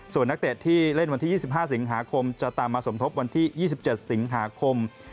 ส่วนนักเตะที่เล่นวันที่๒๕สิงหาคมจะตามมาสมทบวันที่๒๗สิงหาคม